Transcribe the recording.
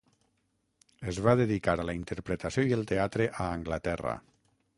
Es va dedicar a la interpretació i el teatre a Anglaterra.